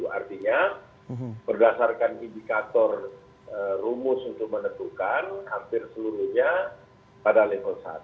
artinya berdasarkan indikator rumus untuk menentukan hampir seluruhnya pada level satu